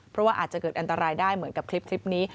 เพราะว่าอาจจะเกิดอันตรายได้เหมือนกับคลิปนี้